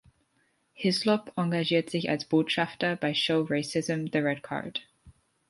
Hislop engagiert sich als Botschafter bei Show Racism the Red Card.